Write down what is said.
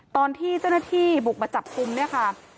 ตอนที่เจ้าหน้าที่บุกมาจับกุมเนี่ยค่ะ